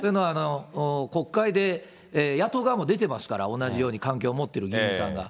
国会で野党側も出てますから、同じように関係を持っている議員さんが。